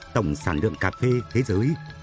tổng sản lượng cà phê thế giới